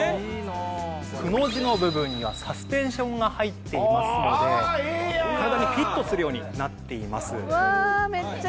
くの字の部分にはサスペンションが入っていますので体にフィットするようになっています。